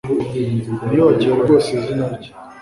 Nibagiwe rwose izina rye